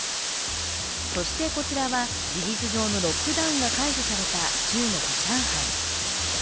そしてこちらは事実上のロックダウンが解除された中国・上海。